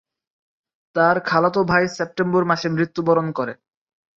তার খালাতো ভাই সেপ্টেম্বর মাসে মৃত্যুবরণ করে।